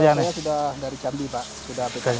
saya sudah dari jambi pak